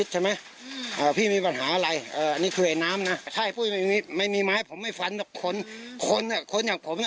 ใช่พวกมันไม่มีไม้ผมไม่ฟันคนคนอ่ะคนอย่างผมน่ะ